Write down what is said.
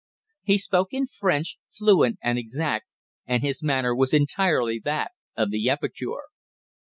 He spoke in French, fluent and exact, and his manner was entirely that of the epicure.